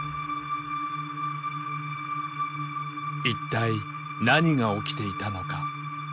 一体何が起きていたのか。